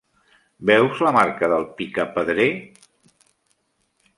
Veus la marca del picapedrer?